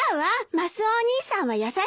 マスオお兄さんは優しいのよ。